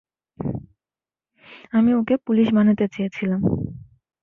আমি ওকে পুলিশ বানাতে চেয়েছিলাম।